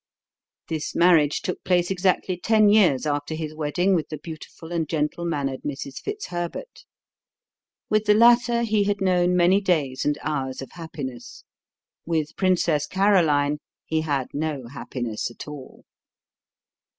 This marriage took place exactly ten years after his wedding with the beautiful and gentle mannered Mrs. Fitzherbert. With the latter he had known many days and hours of happiness. With Princess Caroline he had no happiness at all.